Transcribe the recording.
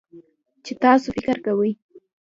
چې تاسو فکر کوئ